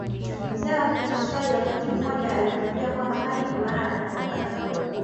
Mzee wa kimaasai wakati mmoja alituambia kwamba hadi mvulana atakapokuwa